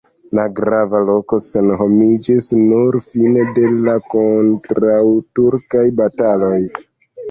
La grava loko senhomiĝis nur fine de la kontraŭturkaj bataloj.